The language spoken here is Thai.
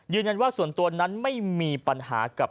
ยืนยันว่าส่วนตัวนั้นไม่มีปัญหากับ